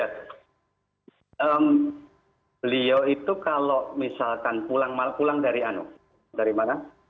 beliau itu kalau misalkan pulang dari anu dari mana